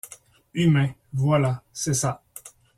Humain, voilà, c’est ça.